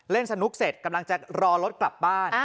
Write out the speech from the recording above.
สนุกเสร็จกำลังจะรอรถกลับบ้าน